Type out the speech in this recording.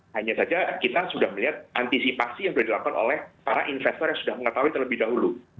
hanya saja kita sudah melihat antisipasi yang sudah dilakukan oleh para investor yang sudah mengetahui terlebih dahulu